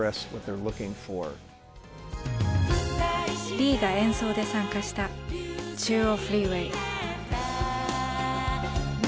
リーが演奏で参加した「中央フリーウェイ」。